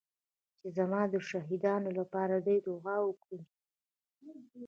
چې زما د شهيدانو لپاره دې دعا وکړي.